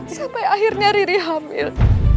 sampai akhirnya riri hamil